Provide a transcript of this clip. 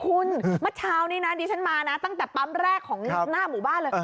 คุณเมื่อเช้านี้นะดิฉันมานะตั้งแต่ปั๊มแรกของหน้าหมู่บ้านเลย